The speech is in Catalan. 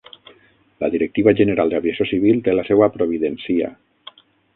La Directiva General d'Aviació Civil té la seu a Providencia.